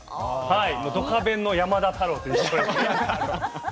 「ドカベン」の山田太郎と一緒です。